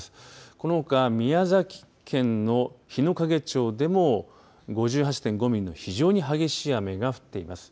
このほか宮崎県の日之影町でも５８．５ミリの非常に激しい雨が降っています。